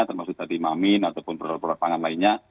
termasuk tadi mamin ataupun produk produk pangan lainnya